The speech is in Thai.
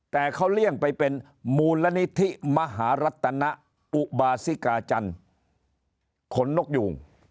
แต่เขาเลี่ยงไปเป็นมูลนิธิมหารัตนอุบาสิกาจันทร์ขนนกยูง